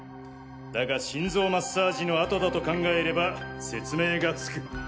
だが心臓マッサージの痕だと考えれば説明がつく。